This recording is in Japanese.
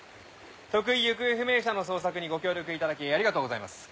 特異行方不明者の捜索にご協力頂きありがとうございます。